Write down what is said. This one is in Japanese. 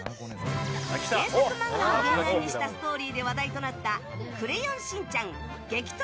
原作漫画を原案にしたストーリーで話題となった「クレヨンしんちゃん激突！